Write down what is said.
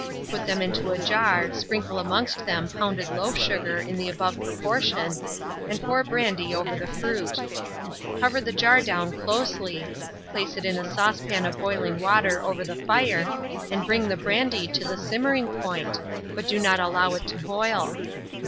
Put them into a jar, sprinkle amongst them pounded loaf sugar in the above proportion, and pour brandy over the fruit. Cover the jar down closely, place it in a saucepan of boiling water over the fire, and bring the brandy to the simmering point, but do not allow it to boil.